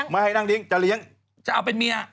ไม่ให้นั่งเลี้ยงจะเลี้ยงจะเอาเป็นเมีย